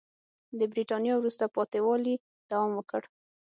د برېټانیا وروسته پاتې والي دوام وکړ.